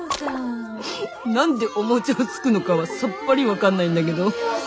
何でお餅をつくのかはさっぱり分かんないんだけど。